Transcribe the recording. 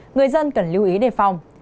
người dân cần lưu ý đề phòng